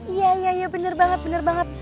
iya iya bener banget